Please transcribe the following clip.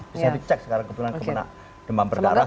bisa dicek sekarang kebetulan kemenang demam berdarah